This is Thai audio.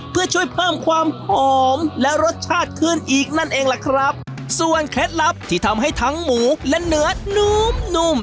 เพื่อช่วยเพิ่มความหอมและรสชาติขึ้นอีกนั่นเองล่ะครับส่วนเคล็ดลับที่ทำให้ทั้งหมูและเนื้อนุ่มนุ่ม